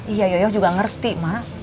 iya yoyo juga ngerti mas